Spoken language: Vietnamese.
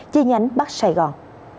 chi nhánh bắc sài gòn